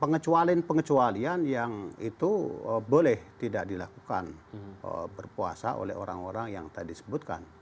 pengecualian pengecualian yang itu boleh tidak dilakukan berpuasa oleh orang orang yang tadi sebutkan